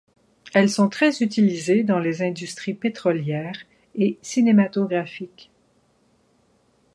Elles sont très utilisées dans les industries pétrolière et cinématographique.